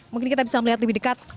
mungkin kita bisa melihat lebih dekat